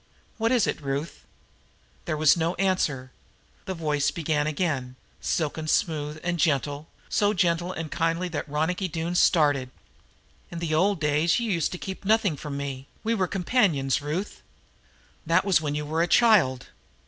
What is it, Ruth?" There was no answer. Then the voice began again, silken smooth and gentle, so gentle and kindly that Ronicky Doone started. "In the old days you used to keep nothing from me; we were companions, Ruth. That was when you were a child.